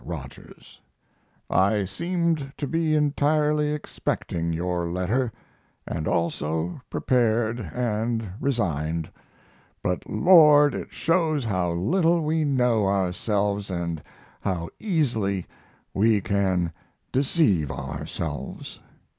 ROGERS, I seemed to be entirely expecting your letter, and also prepared and resigned; but Lord, it shows how little we know ourselves and how easily we can deceive ourselves.